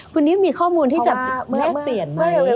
คุณนิ้วมีข้อมูลที่จะเลือกเปลี่ยนไหม